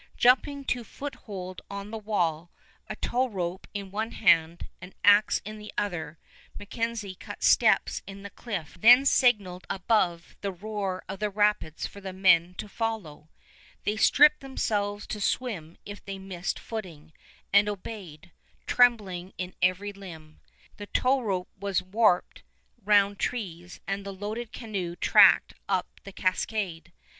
Jumping to foothold on the wall, a towrope in one hand, an ax in the other, MacKenzie cut steps in the cliff, then signaled above the roar of the rapids for the men to follow. They stripped themselves to swim if they missed footing, and obeyed, trembling in every limb. The towrope was warped round trees and the loaded canoe tracked up the cascade.